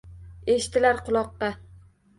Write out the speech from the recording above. Eshitilar quloqqa.